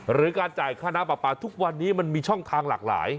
หรือการจ่ายค่าน้ำปลาปลาทุกวันนี้มันมีช่องทางหลากหลาย